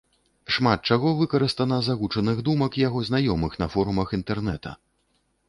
Шмат чаго выкарыстана з агучаных думак яго знаёмых на форумах інтэрнета.